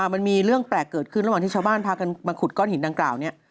มันมีเรื่องแปลกเกิดขึ้นระหว่างที่ชาวบ้านพากันมาขุดก้อนหินดังกล่าวนี้